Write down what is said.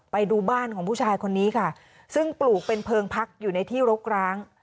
ไปดูบ้านของผู้ชายคนนี้ค่ะซึ่งปลูกเป็นเพลิงพักอยู่ในที่รกร้าง